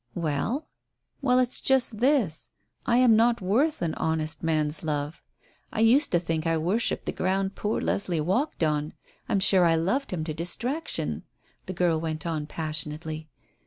"Well?" "Well, it's just this. I am not worth an honest man's love. I used to think I worshipped the ground poor Leslie walked on I'm sure I loved him to distraction," the girl went on passionately.